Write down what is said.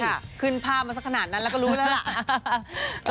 ขึ้นภาพมาสักขนาดนั้นแล้วก็รู้แล้วล่ะ